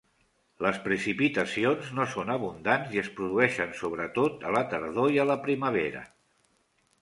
Les precipitacions no són abundants i es produeixen sobretot a la tardor i a la primavera.